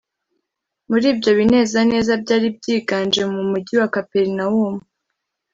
muri ibyo binezaneza byari byiganje mu mugi wa kaperinawumu,